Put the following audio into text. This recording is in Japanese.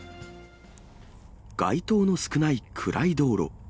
街灯の少ない暗い道路。